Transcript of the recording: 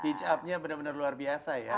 pitch up nya benar benar luar biasa ya